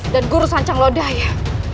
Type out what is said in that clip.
dan guru sanjang lodaya